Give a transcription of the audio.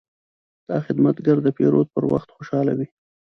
دا خدمتګر د پیرود پر وخت خوشحاله وي.